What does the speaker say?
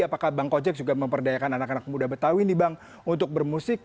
apakah bang kojek juga memperdayakan anak anak muda betawi nih bang untuk bermusik